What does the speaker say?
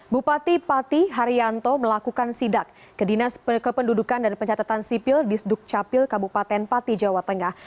bupati pati haryanto melakukan sidak ke dinas kependudukan dan pencatatan sipil di sdukcapil kabupaten pati jawa tengah